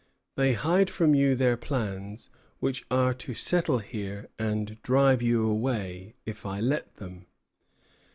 They hide from you their plans, which are to settle here and drive you away, if I let them.